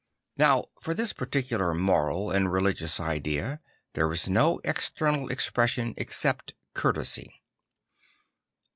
Now for this particular moral and religious idea there is no external expression except courtesy.